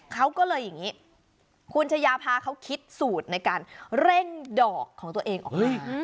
เขาก็เลยอย่างนี้คุณชายาภาเขาคิดสูตรในการเร่งดอกของตัวเองออกมา